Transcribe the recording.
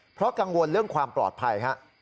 เพราะกังวลเรื่องความปลอดภัยฮะ